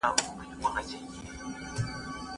دا تازه کیلې نن سهار له بهر څخه بازار ته راوړل شوي.